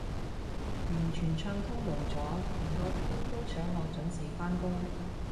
完全暢通無阻，連個天都想我準時返工